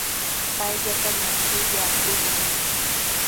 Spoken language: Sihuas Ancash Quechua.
Payllatana shuyaakushun.